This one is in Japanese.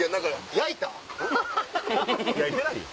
焼いてないよ。